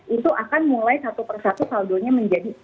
itu akan mulai satu persatu saldonya menjadi